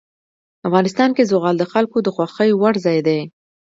افغانستان کې زغال د خلکو د خوښې وړ ځای دی.